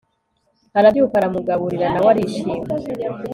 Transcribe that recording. arabyuka aramugaburira nawe arishima